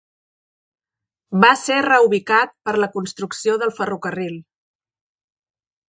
Va ser reubicat per la construcció del ferrocarril.